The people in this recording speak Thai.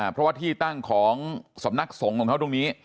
เพราะว่าที่ตั้งของสำนักสงค์ตรงนี้